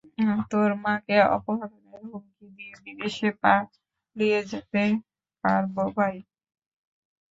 তোর মাকে অপহরণের হুমকি দিয়ে, বিদেশে পালিয়ে যেতে পারব, ভাই।